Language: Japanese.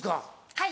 はい。